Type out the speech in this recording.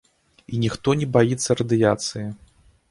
І ніхто не баіцца радыяцыі.